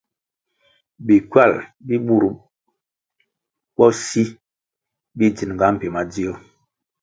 Bi ckywal bi bur bo si bi dzininga mbpi madzio.